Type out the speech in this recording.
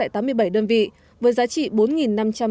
tại tám mươi bảy đơn vị cổ phân hóa